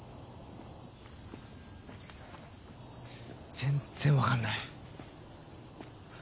全然わかんない。